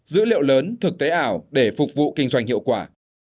dữ liệu lớn thực tế ảo để phục vụ kinh doanh hiệu quả